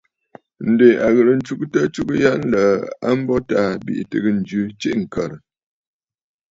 Ǹdè a ghɨ̀rə ntsugə atsugə ya nlə̀ə̀ a mbo Taà bìʼì tɨgə jɨ tsiʼì ŋ̀kə̀rə̀.